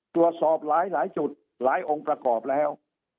ตรวจสอบหลายจุดหลายองค์ประกอบแล้ว